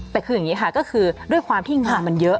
แต่คืออย่างนี้ค่ะก็คือด้วยความที่งานมันเยอะ